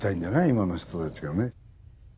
今の人たちがね。